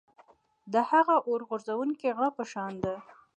د هغه اور غورځوونکي غره په شان ده.